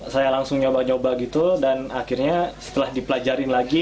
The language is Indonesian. saya langsung nyoba nyoba gitu dan akhirnya setelah dipelajarin lagi